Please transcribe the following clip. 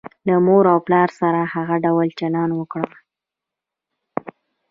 له مور او پلار سره هغه ډول چلند وکړه.